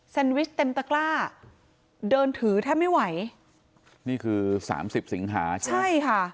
แซนวิชเต็มตะกร้าเดินถือถ้าไม่ไหวนี่คือ๓๐สิงหาใช่ไหมใช่ค่ะ